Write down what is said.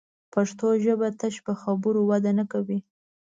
پښتو ژبه تش په خبرو وده نه کوي